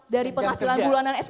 dari penghasilan bulanan spg